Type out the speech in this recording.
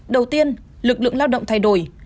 đầu tiên lực lượng lao động thay đổi